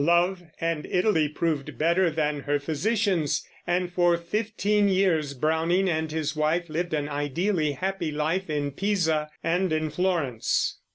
Love and Italy proved better than her physicians, and for fifteen years Browning and his wife lived an ideally happy life in Pisa and in Florence.